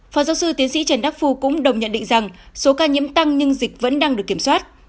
phó giáo sư tiến sĩ trần đắc phu cũng đồng nhận định rằng số ca nhiễm tăng nhưng dịch vẫn đang được kiểm soát